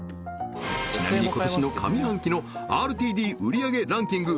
ちなみに今年の上半期のＲＴＤ売り上げランキング